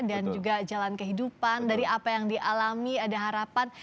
dan juga jalan kehidupan dari apa yang dialami ada harapan